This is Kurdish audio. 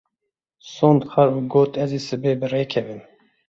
Sond xwar û got ez ê sibê bi rê kevim.